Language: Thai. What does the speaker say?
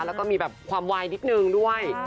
แล้วก็มีแบบความวายนิดนึงด้วย